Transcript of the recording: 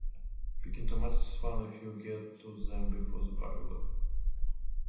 Picking tomatoes is fun if you get to them before the bugs do.